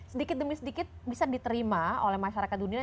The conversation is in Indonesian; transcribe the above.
sedikit demi sedikit bisa diterima oleh masyarakat dunia